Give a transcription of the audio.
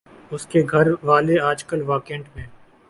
اس کے گھر والے آجکل واہ کینٹ میں